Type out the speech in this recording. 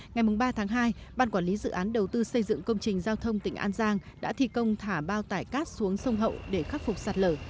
ngày ba tháng hai ban quản lý dự án đầu tư xây dựng công trình giao thông tỉnh an giang đã thi công thả bao tải cát xuống sông hậu để khắc phục sạt lở